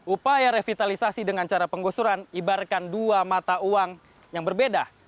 upaya revitalisasi dengan cara penggusuran ibaratkan dua mata uang yang berbeda